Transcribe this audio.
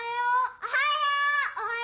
おはよう！